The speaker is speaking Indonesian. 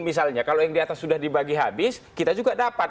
misalnya kalau yang di atas sudah dibagi habis kita juga dapat